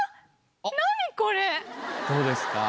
どうですか？